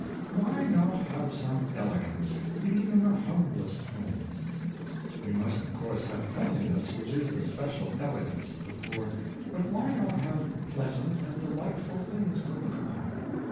Why not have some elegance in even the humblest home? We must of course have cleanliness, which is the special elegance of the poor. But why not have pleasant and delightful things to look upon?